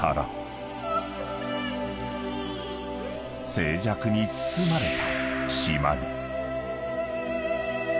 ［静寂に包まれた島に］